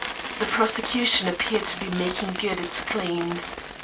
The prosecution appeared to be making good its claims.